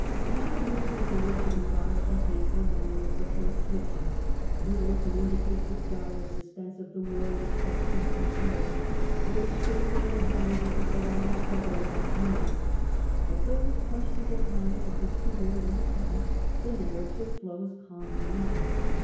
Not a word is there to revive the hateful —A.D. 14. Augustus. i9 memory of' the proscriptions, little to indicate the dire suspense of the war with Sextus Pompeius, or the straits and anxieties of the long struggle with Antonius ; but those questionable times of his career once passed, the narrative flows calmly on.